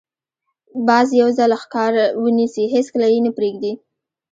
باز یو ځل ښکار ونیسي، هېڅکله یې نه پرېږدي